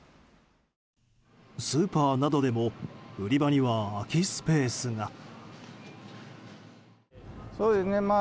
スーパーなどでも売り場には空きスペースが。